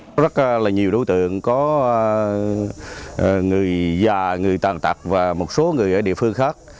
có rất là nhiều đối tượng có người già người tàn tật và một số người ở địa phương khác